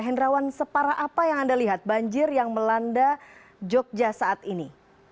hendrawan separah apa yang anda lihat banjir yang melanda jogja saat ini